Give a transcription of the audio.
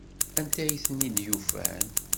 Anta ay ten-id-yufan?